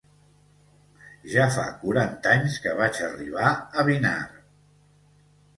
Ja fa quaranta anys que vaig arribar a Vinar